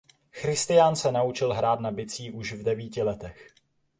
Christian se naučil hrát na bicí už v devíti letech.